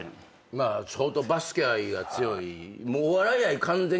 まあ相当バスケ愛が強い。